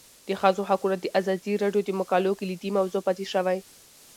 د ښځو حقونه د ازادي راډیو د مقالو کلیدي موضوع پاتې شوی.